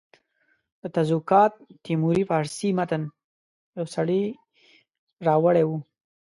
د تزوکات تیموري فارسي متن یو سړي راوړی وو.